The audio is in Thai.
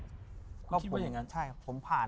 คุณคิดว่าอย่างนั้น